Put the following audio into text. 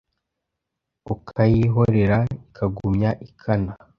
Ukayihorera ikagumya ikana !